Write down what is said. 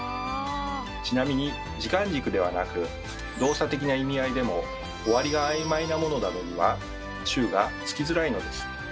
ちなみに時間軸ではなく動作的な意味合いでも終わりがあいまいなものなどには「中」がつきづらいのです。